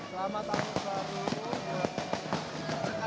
sama sama kamu tinggi banget nih